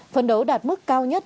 phần đấu đạt mức cao nhất